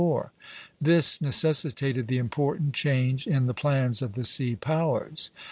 This necessitated the important change in the plans of the sea powers.